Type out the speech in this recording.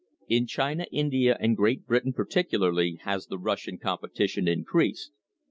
In China, India, and Great Britain particularly, has the Russian competition increased.